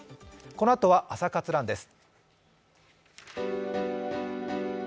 このあとは「朝活ＲＵＮ」です。